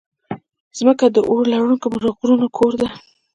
مځکه د اورلرونکو غرونو کور ده.